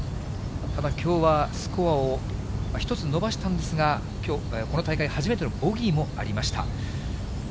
ただきょうは、スコアを１つ伸ばしたんですが、この大会初めてのボギーもありました。